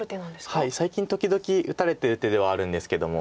最近時々打たれてる手ではあるんですけども。